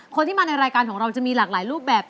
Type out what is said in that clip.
คนที่มาในรายการของเราจะมีหลากหลายรูปแบบ